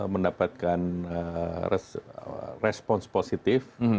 mendapatkan respons positif